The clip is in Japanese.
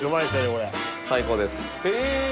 これ最高ですへえ！